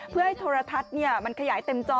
เพื่อให้โทรทัศน์มันขยายเต็มจอ